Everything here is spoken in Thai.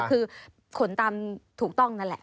คือขนตามถูกต้องนั่นแหละ